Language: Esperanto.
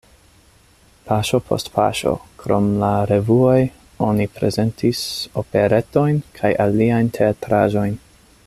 Paŝo post paŝo krom la revuoj oni prezentis operetojn kaj aliajn teatraĵojn.